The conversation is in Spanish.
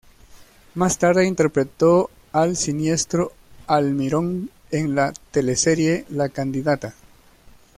Más tarde interpretó al siniestro Almirón en la teleserie "La Candidata".